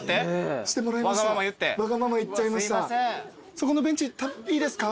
そこのベンチいいですか？